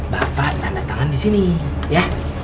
bapak tanda tangan di sini ya